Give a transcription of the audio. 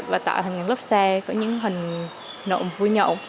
và tạo thành những lốp xe có những hình nộm vui nhộn